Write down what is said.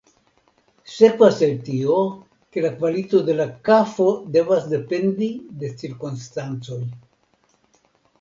Sekvas el tio, ke la kvalito de la kafo devas dependi de cirkonstancoj.